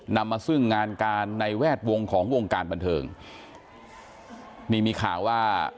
นำมาซึ่งงานการในแวดวงของวงการบันเทิงนี่มีข่าวว่า